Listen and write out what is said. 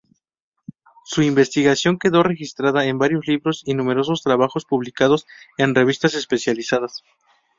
Su investigación quedó registrada en varios libros y numerosos trabajos publicados en revistas especializadas.